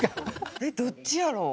えっどっちやろ？